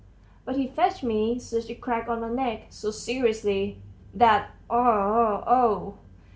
but he fetched me such a crack on my neck, so seriously, that oh! oh!"